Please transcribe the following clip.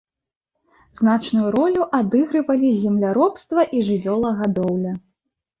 Значную ролю адыгрывалі земляробства і жывёлагадоўля.